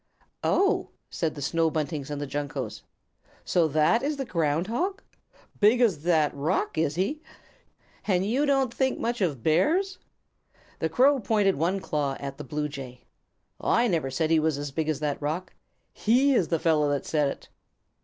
"Oh!" said the Snow Buntings and the Juncos. "So that is the Ground Hog! Big as that rock, is he? And you don't think much of Bears?" The Crow pointed one claw at the Blue Jay. "I never said he was as big as that rock. He is the fellow that said it."